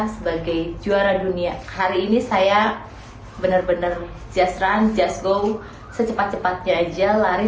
sebagai juara dunia hari ini saya benar benar just run just go secepat cepatnya aja lari